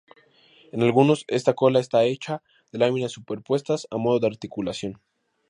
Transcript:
En algunos esta cola está hecha de láminas superpuestas a modo de articulación.